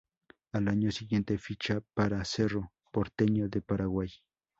Al año siguiente ficha para Cerro Porteño de Paraguay.